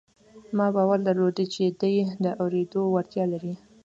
ما باور درلود چې دی د اورېدو وړتیا لري